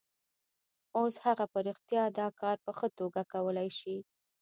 اوس هغه په رښتیا دا کار په ښه توګه کولای شي